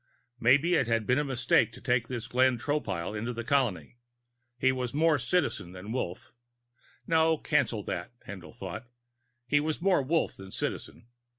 Maybe it had been a mistake to take this Glenn Tropile into the colony. He was more Citizen than Wolf no, cancel that, Haendl thought; he was more Wolf than Citizen.